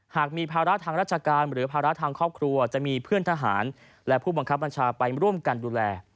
หากมีภาระทางราชการหรือภาระทางครอบครัวจะมีเพื่อนทหารและผู้บังคับบัญชาไปร่วมกันดูแล